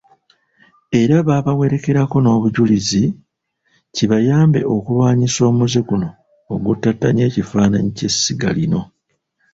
Era babaweereko n'obujulizi, kibayambe okulwanyisa omuze guno oguttattanye ekifaananyi ky'essiga lino.